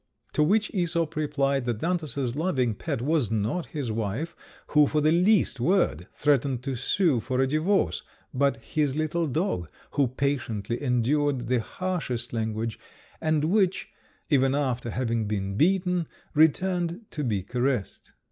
To which Æsop replied, that Xantus's loving pet was not his wife, who for the least word threatened to sue for a divorce, but his little dog, who patiently endured the harshest language, and which, even after having been beaten, returned to be caressed.